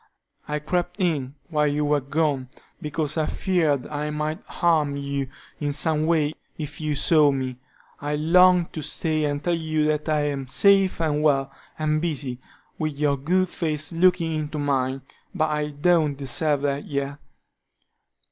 I crept in while you were gone, because I feared I might harm you in some way if you saw me. I longed to stay and tell you that I am safe and well, and busy, with your good face looking into mine, but I don't deserve that yet.